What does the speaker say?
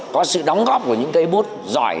có sự đóng góp của những cây bút giỏi